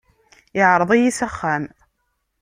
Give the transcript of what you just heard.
Iεreḍ-iyi s axxam.